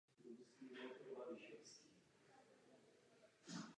Album produkoval Jack Frost.